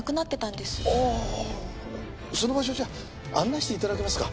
ああその場所をじゃあ案内して頂けますか？